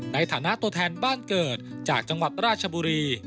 ในฐานะตัวแทนบ้านเกิดจากจังหวัดราชบุรี